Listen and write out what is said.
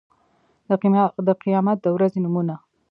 د قيامت د ورځې نومونه